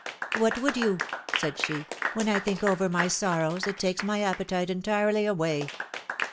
What would you ? said she. When I think over my sorrows, it takes my appetite entirely away.